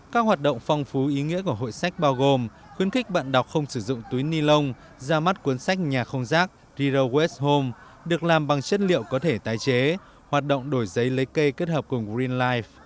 các hoạt động phong phú ý nghĩa của hội sách bao gồm khuyến khích bạn đọc không sử dụng túi ni lông ra mắt cuốn sách nhà không rác riro west home được làm bằng chất liệu có thể tái chế hoạt động đổi giấy lấy cây kết hợp cùng green life